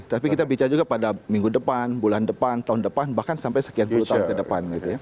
tapi kita bicara juga pada minggu depan bulan depan tahun depan bahkan sampai sekian puluh tahun ke depan